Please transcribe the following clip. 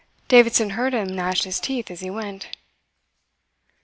Davidson heard him gnash his teeth as he went.